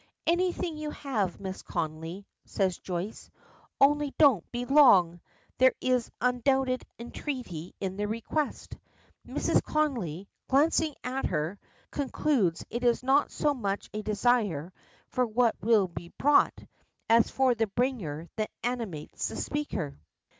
"Anything you have, Mrs. Connolly," says Joyce; "only don't be long!" There is undoubted entreaty in the request. Mrs. Connolly, glancing at her, concludes it is not so much a desire for what will be brought, as for the bringer that animates the speaker.